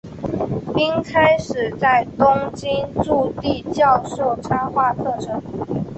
并开始在东京筑地教授插画课程。